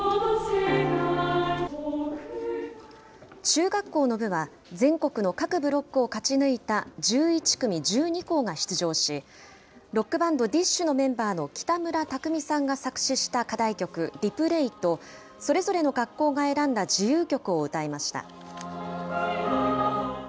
中学校の部は全国の各ブロックを勝ち抜いた１１組１２校が出場し、ロックバンド、ＤＩＳＨ／／のメンバーの北村匠海さんが作詞した課題曲、Ｒｅｐｌａｙと、それぞれの学校が選んだ自由曲を歌いました。